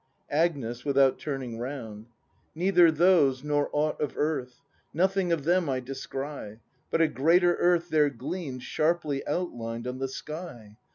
Agnes. [Without turning round.] Neither those nor aught of earth; Nothing of them I descry. But a greater earth there gleams Sharply outlined on the sky.